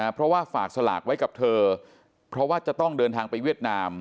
เพราะว่าฝากสลากไว้กับเธอเพราะว่าจะต้องเดินทางไปเวียดนาม